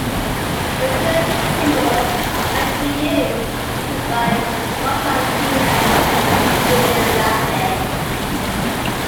The third single, "Meant For You", was written by Roxanne Seeman and David Lasley.